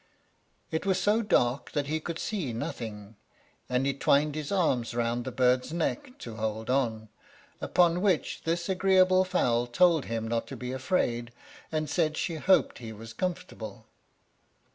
It was so dark that he could see nothing, and he twined his arms round the bird's neck, to hold on, upon which this agreeable fowl told him not to be afraid, and said she hoped he was comfortable.